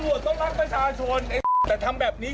ตำรวจต้องรักประชาชนแต่ทำแบบนี้